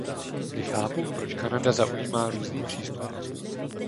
Nechápu, proč Kanada zaujímá různý přístup.